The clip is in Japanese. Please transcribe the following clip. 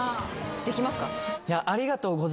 できますか？